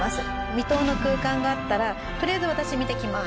未踏の空間があったらとりあえず私見てきます！